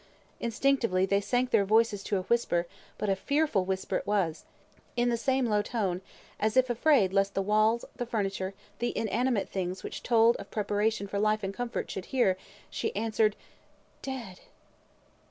Instinctively they sank their voices to a whisper; but a fearful whisper it was. In the same low tone, as if afraid lest the walls, the furniture, the inanimate things which told of preparation for life and comfort, should hear, she answered, "Dead!"